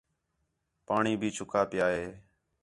پاݨی بھی چُکّا پِیا ہِے